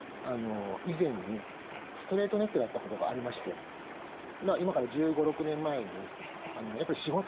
以前にストレートネックだったことがありまして今から１５１６年前にやっぱり仕事に集中してですね